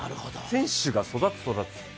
選手が育つ、育つ。